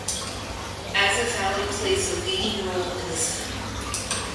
Asif Ali plays the leading role in this film.